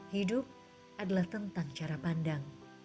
hidup adalah tentang cara pandang